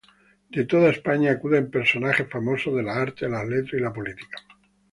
De toda España acuden personajes famosos de las artes, las letras y la política.